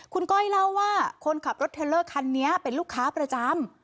คุณก้อยเล่าว่าคนขับรถเทลเลอร์คันนี้เป็นลูกค้าประจำ